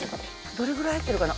どれぐらい入ってるかな？